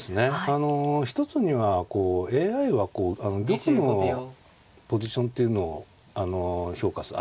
あの一つにはＡＩは玉のポジションっていうのを評価する。